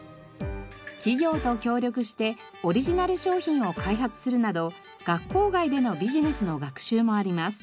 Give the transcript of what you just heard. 企業と協力してオリジナル商品を開発するなど学校外でのビジネスの学習もあります。